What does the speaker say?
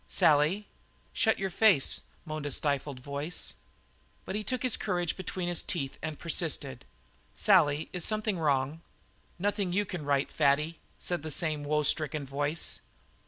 "Sally!" "Shut your face!" moaned a stifled voice. But he took his courage between his teeth and persisted. "Sally, somethin' is wrong." "Nothin' you can right, Fatty," said the same woe stricken voice.